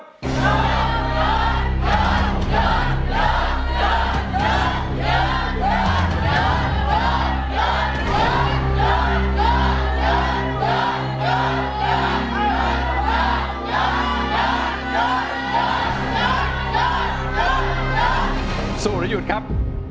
หยุดซูหรือยุดครับ